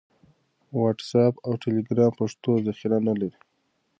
واټس اپ او ټیلیګرام پښتو ذخیره نه لري.